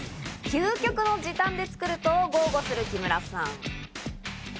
究極の時短で作ると豪語する木村さん。